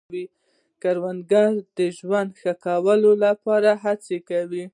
کروندګر د ژوند ښه کولو لپاره هڅه کوي